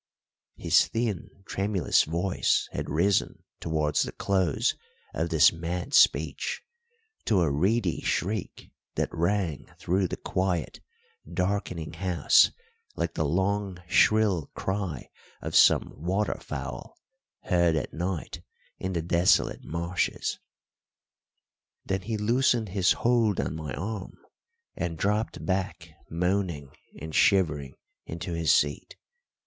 His thin, tremulous voice had risen towards the close of this mad speech to a reedy shriek that rang through the quiet, darkening house like the long, shrill cry of some water fowl heard at night in the desolate marshes. Then he loosened his hold on my arm and dropped back moaning and shivering into his seat.